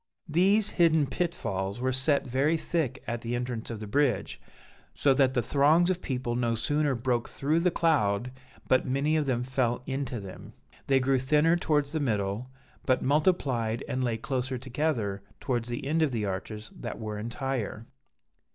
"These hidden pitfalls were set very thick at the entrance of the bridge, so that the throngs of people no sooner broke through the cloud, but many of them fell into them. They grew thinner towards the middle, but multiplied and lay closer together towards the end of the arches that were entire.